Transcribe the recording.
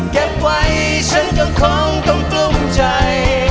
เก็บไว้ฉันก็คงต้องกลุ้มใจ